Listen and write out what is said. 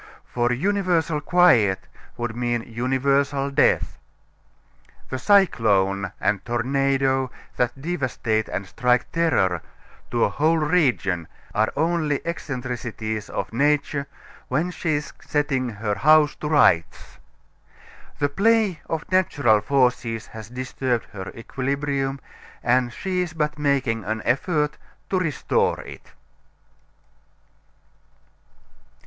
For universal quiet would mean universal death. The cyclone and tornado that devastate and strike terror to a whole region are only eccentricities of nature when she is setting her house to rights. The play of natural forces has disturbed her equilibrium, and she is but making an effort to restore it.